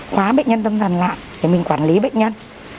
hóa bệnh nhân tâm thần lại để mình quản lý bệnh nhân